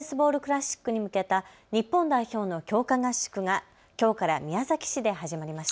来月開かれるＷＢＣ・ワールド・ベースボール・クラシックに向けた日本代表の強化合宿がきょうから宮崎市で始まりました。